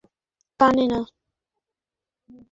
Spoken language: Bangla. আমার পাছায় সমস্যা আছে, কানে না।